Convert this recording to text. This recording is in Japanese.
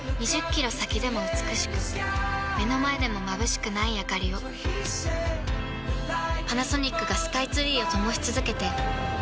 ２０キロ先でも美しく目の前でもまぶしくないあかりをパナソニックがスカイツリーを灯し続けて今年で１０年